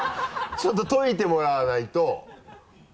ちょっと解いてもらわないと。